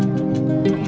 cho nó thấy bà nó